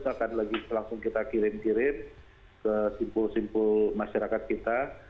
akan langsung kita kirim kirim ke simpul simpul masyarakat kita